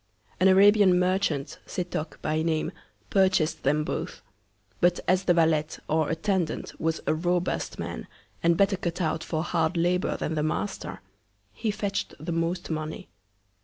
An Arabian Merchant, Setoc by Name, purchas'd them both; but as the Valet, or Attendant, was a robust Man, and better cut out for hard Labour than the Master, he fetch'd the most Money.